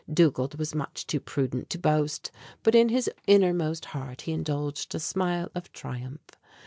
Dugald was much too prudent to boast; but in his innermost heart he indulged a smile of triumph.